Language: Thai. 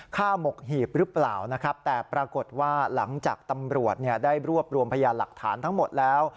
หมกหีบหรือเปล่านะครับแต่ปรากฏว่าหลังจากตำรวจได้รวบรวมพยานหลักฐานทั้งหมดแล้ว